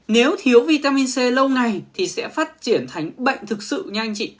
nếu thiếu vitamin c lâu ngày thì sẽ phát triển thành bệnh thực sự như anh chị